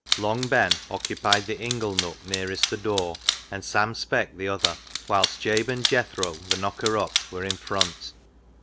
Long Ben occupied the ingle nook nearest the door, and Sam Speck the other, whilst Jabe and Jethro, the knocker up, were in front.